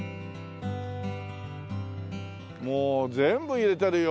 もう全部入れてるよ。